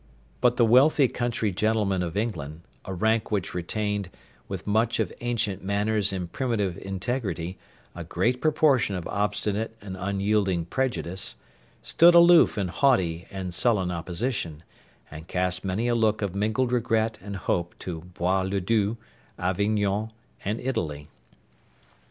But the wealthy country gentlemen of England, a rank which retained, with much of ancient manners and primitive integrity, a great proportion of obstinate and unyielding prejudice, stood aloof in haughty and sullen opposition, and cast many a look of mingled regret and hope to Bois le Due, Avignon, and Italy.